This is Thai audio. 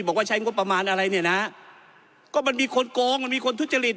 บอกว่าใช้งบประมาณอะไรเนี่ยนะก็มันมีคนโกงมันมีคนทุจริต